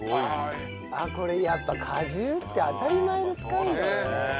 これやっぱ果汁って当たり前に使うんだね。